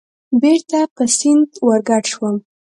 بېرته په سیند ورګډ شوم.